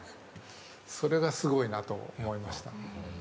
それがすごいなと思いました。